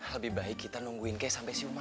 lebih baik kita nungguin kay sampai si umar